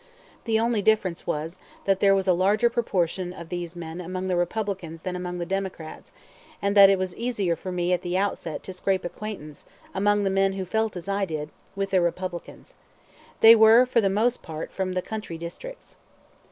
The only difference was that there was a larger proportion of these men among the Republicans than among the Democrats, and that it was easier for me at the outset to scrape acquaintance, among the men who felt as I did, with the Republicans. They were for the most part from the country districts.